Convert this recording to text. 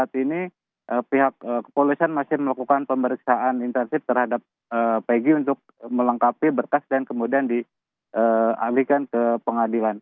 saat ini pihak kepolisian masih melakukan pemeriksaan intensif terhadap pg untuk melengkapi berkas dan kemudian dialihkan ke pengadilan